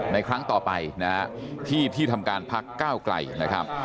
ครั้งต่อไปนะฮะที่ที่ทำการพักก้าวไกลนะครับ